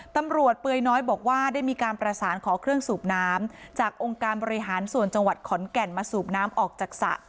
เปลือยน้อยบอกว่าได้มีการประสานขอเครื่องสูบน้ำจากองค์การบริหารส่วนจังหวัดขอนแก่นมาสูบน้ำออกจากสระ